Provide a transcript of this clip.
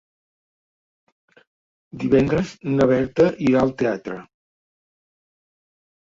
Divendres na Berta irà al teatre.